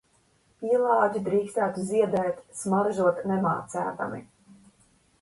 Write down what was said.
Pīlādži drīkstētu ziedēt, smaržot nemācēdami...